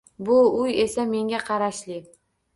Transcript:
Bu uy esa menga qarashli